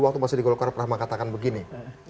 ada yang begini